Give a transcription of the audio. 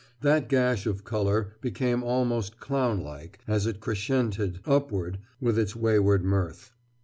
That gash of color became almost clown like as it crescented upward with its wayward mirth.